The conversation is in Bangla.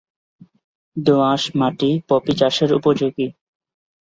দো-আঁশ মাটি পপি চাষের উপযোগী।